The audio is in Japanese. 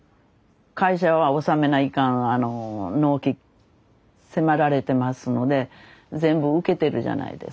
会社は納めないかん納期迫られてますので全部受けてるじゃないですか。